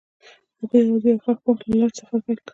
هغوی یوځای د خوښ باغ له لارې سفر پیل کړ.